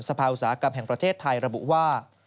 อุตสาหกรรมแห่งประเทศไทยระบุว่า